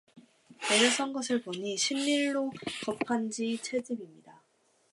내려선 것을 보니, 신릴로 거판지 체집입니다.